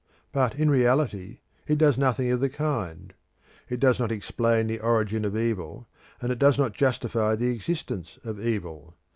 But in reality it does nothing of the kind, It does not explain the origin of evil, and it does not justify the existence of evil.